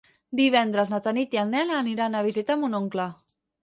Divendres na Tanit i en Nel aniran a visitar mon oncle.